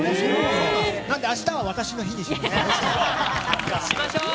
なので明日は私の日にしましょう。